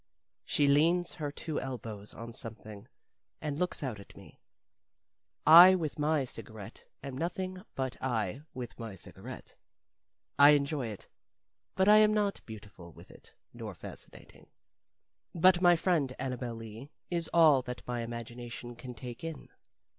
She leans her two elbows on something and looks out at me. I with my cigarette am nothing but I with my cigarette. I enjoy it, but am not beautiful with it, nor fascinating. But my friend Annabel Lee is all that my imagination can take in.